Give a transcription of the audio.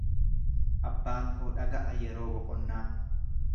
Abbaan koo dhaga'a yeroo boqonnaa.